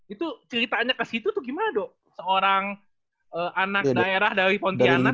itu ceritanya ke situ tuh gimana dok seorang anak daerah dari pontianak